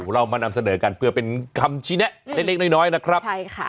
เรามานำเสนอกันเพื่อเป็นคำชี้แนะเล็กน้อยนะครับ